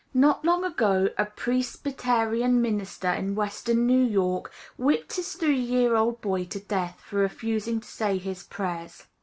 Not long ago a Presbyterian minister in Western New York whipped his three year old boy to death, for refusing to say his prayers.